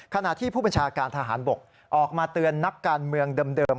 ขณะที่ผู้บัญชาการทหารบกออกมาเตือนนักการเมืองเดิม